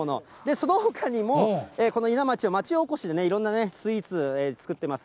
そのほかにも、この伊奈町を町おこしで、いろんなスイーツ作ってます。